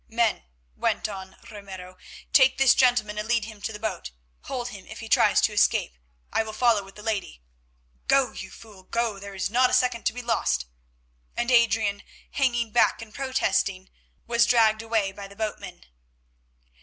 "Men," went on Ramiro, "take this gentleman and lead him to the boat. Hold him if he tries to escape. I will follow with the lady. Go, you fool, go, there is not a second to be lost," and Adrian, hanging back and protesting, was dragged away by the boatmen.